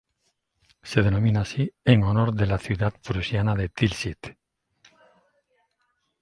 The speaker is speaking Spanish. Se denomina así en honor de la ciudad prusiana de Tilsit.